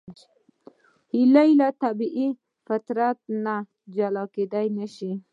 هیلۍ له طبیعي فطرت نه جلا کېدلی نشي